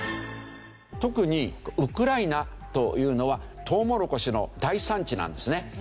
特にウクライナというのはトウモロコシの大産地なんですね。